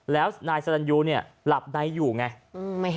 แล้วนายสะดันยูหลับในอยู่ไง